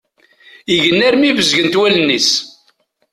Igen armi bezgent wallen-is.